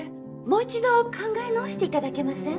もう一度考え直していただけません？